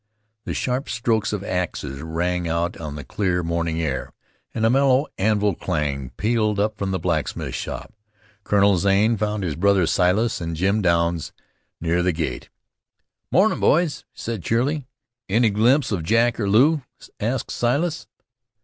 The sharp strokes of axes rang out on the clear morning air, and a mellow anvil clang pealed up from the blacksmith shop. Colonel Zane found his brother Silas and Jim Douns near the gate. "Morning, boys," he cried cheerily. "Any glimpse of Jack or Lew?" asked Silas.